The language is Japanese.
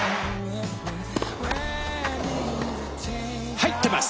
入ってます！